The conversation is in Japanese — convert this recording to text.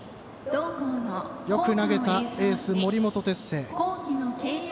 よく投げたエースの森本哲星。